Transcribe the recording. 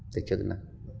dịch trước đến nay